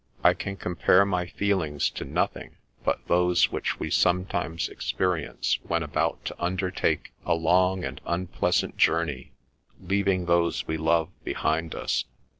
I can compare my feelings to nothing but those which we sometimes experience when about to undertake a long and unpleasant journey, leaving those we love behind us.